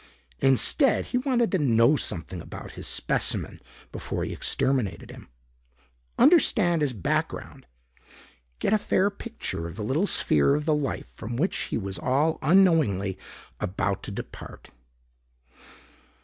Instead, he wanted to know something about his specimen before he exterminated him. Understand his background. Get a fair picture of the little sphere of the life from which he was all unknowingly about to depart.